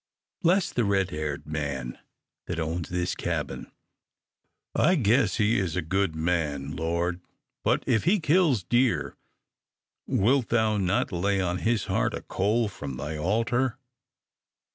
Bless the red haired man that owns this cabin. I guess he is a good man, Lord, but if he kills deer, wilt thou not lay on his heart a coal from thy altar?